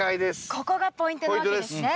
ここがポイントなわけですね。